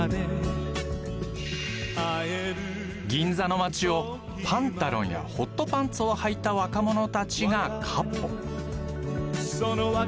銀座の街をパンタロンやホットパンツをはいた若者たちがかっ歩。